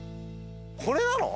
これなの？